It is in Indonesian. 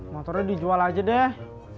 motornya dijual aja deh